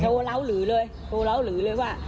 เล่าหลือเลยโทรเล้าหลือเลยว่า